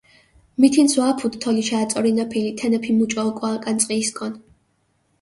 მითინს ვა აფუდჷ თოლიშა აწორინაფილი, თენეფი მუჭო ოკო აკანწყიისკონ.